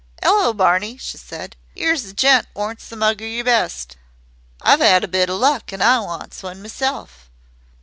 "'Ello, Barney," she said. "'Ere's a gent warnts a mug o' yer best. I've 'ad a bit o' luck, an' I wants one mesself."